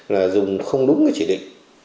là dùng không đúng cái chỉ định